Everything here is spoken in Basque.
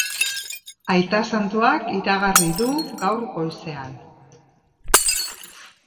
Aita santuak iragarri du gaur goizean.